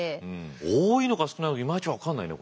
多いのか少ないのかいまいち分かんないね